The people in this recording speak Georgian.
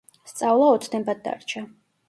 სწავლა ოცნებად დარჩა.